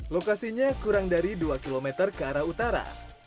lokasinya kurang dari dua km ke arah utara